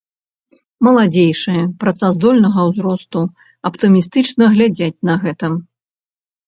Маладзейшыя, працаздольнага ўзросту, аптымістычна глядзяць на гэта.